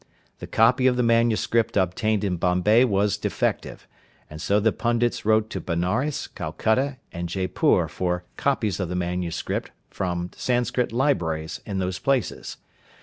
The copy of the manuscript obtained in Bombay was defective, and so the pundits wrote to Benares, Calcutta and Jeypoor for copies of the manuscript from Sanscrit libraries in those places.